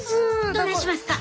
どないしますか？